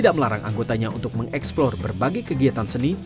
dia menerang anggotanya untuk mengeksplor berbagai kegiatan seni